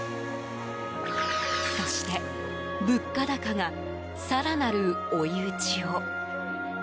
そして、物価高が更なる追い打ちを。